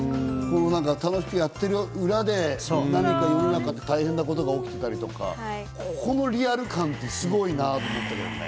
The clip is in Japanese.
楽しくやっている裏で何か世の中で大変なことが起きていたりとか、ここのリアル感ってすごいなと思うんだよね。